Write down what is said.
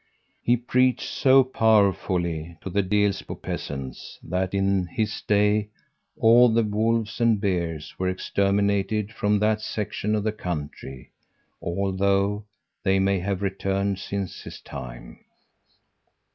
He preached so powerfully to the Delsbo peasants that in his day all the wolves and bears were exterminated from that section of the country, although they may have returned since his time."